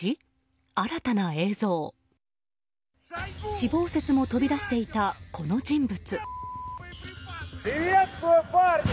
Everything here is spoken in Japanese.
死亡説も飛び出していたこの人物。